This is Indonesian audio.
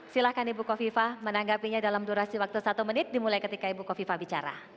silahkan ibu kofifa menanggapinya dalam durasi waktu satu menit dimulai ketika ibu kofifa bicara